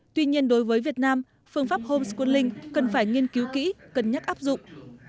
tuy nhiên đối với việt nam phương pháp homescoling cần phải nghiên cứu kỹ cân nhắc áp dụng